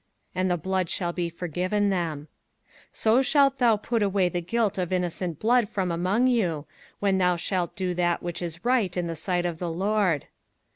And the blood shall be forgiven them. 05:021:009 So shalt thou put away the guilt of innocent blood from among you, when thou shalt do that which is right in the sight of the LORD.